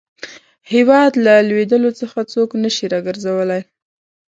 هیواد له لوېدلو څخه څوک نه شي را ګرځولای.